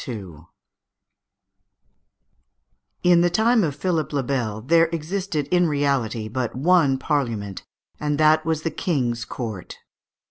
] In the time of Philippe le Bel there existed in reality but one Parliament, and that was the King's Court.